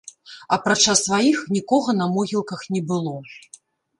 Апрача сваіх, нікога на могілках не было.